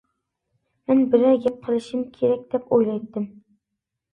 مەن بىرەر گەپ قىلىشىم كېرەك دەپ ئويلايتتىم.